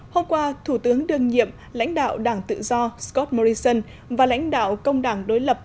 hôm qua thủ tướng đương nhiệm lãnh đạo đảng tự do scott morrison và lãnh đạo công đảng đối lập